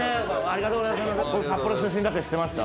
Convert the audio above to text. ありがとうございます。